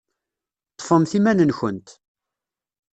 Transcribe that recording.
Ṭṭfemt iman-nkent.